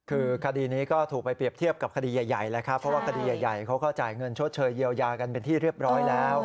คือคดีนี้ก็ถูกไปเปรียบเทียบกับคดีใหญ่แล้วครับเพราะว่าคดีใหญ่เขาก็จ่ายเงินชดเชยเยียวยากันเป็นที่เรียบร้อยแล้ว